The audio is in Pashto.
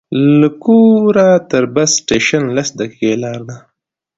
له کوره تر بس سټېشن لس دقیقې لاره ده.